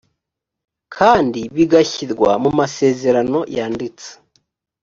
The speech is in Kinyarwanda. kandi bigashyirwa mu masezerano yanditse